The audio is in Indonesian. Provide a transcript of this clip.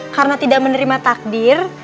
karena tidak menerima takdir